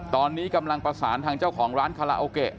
ตอนนี้กำลังประสานทางเจ้าของร้านคาราโอเกะ